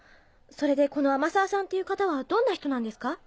それでこの天沢さんていう方はどんな人なんですか？